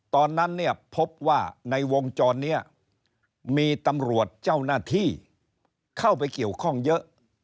ตอนนั้นเนี่ยพบว่าในวงจรนี้มีตำรวจเจ้าหน้าที่เข้าไปเกี่ยวข้องเยอะ